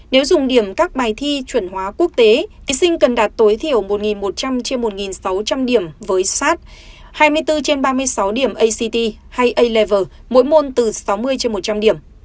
nếu dùng điểm các bài thi chuẩn hóa quốc tế thí sinh cần đạt tối thiểu một một trăm linh một sáu trăm linh điểm với sat hai mươi bốn ba mươi sáu điểm act hay a level mỗi môn từ sáu mươi một trăm linh điểm